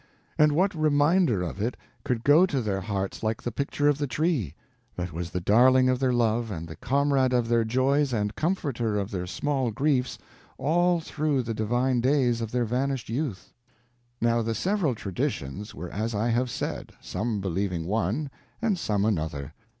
And what reminder of it could go to their hearts like the picture of the Tree that was the darling of their love and the comrade of their joys and comforter of their small griefs all through the divine days of their vanished youth? Now the several traditions were as I have said, some believing one and some another.